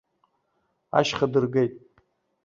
Ашьха дыргеит.